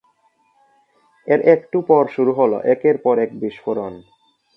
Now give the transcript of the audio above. এর একটু পর শুরু হলো একের পর এক বিস্ফোরণ।